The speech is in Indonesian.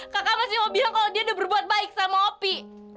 kakak masih mau bilang kalau dia udah berbuat baik sama opi